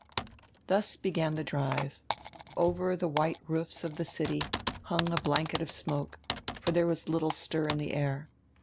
Thus began the drive. Over the white roofs of the city hung a bank of smoke, for there was little stir in the air.